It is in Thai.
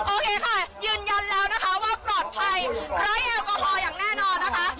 โอเคค่ะยืนยันแล้วนะคะว่าปลอดภัยไร้แอลกอฮอลอย่างแน่นอนนะคะ